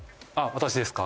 私ですか？